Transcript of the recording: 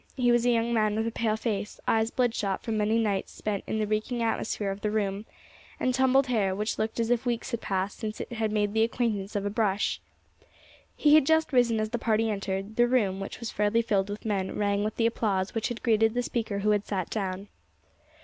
He was a young man with a pale face, eyes bloodshot from many nights spent in the reeking atmosphere of the room, and tumbled hair, which looked as if weeks had passed since it had made the acquaintance of a brush. He had just risen as the party entered; the room, which was fairly filled with men, rang with the applause which had greeted the speaker who had sat down.